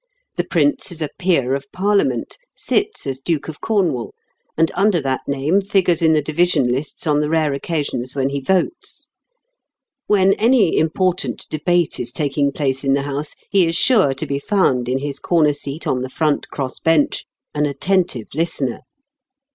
The Prince is a Peer of Parliament, sits as Duke of Cornwall, and under that name figures in the division lists on the rare occasions when he votes. When any important debate is taking place in the House, he is sure to be found in his corner seat on the front Cross Bench, an attentive listener.